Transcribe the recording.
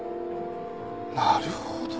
なるほど！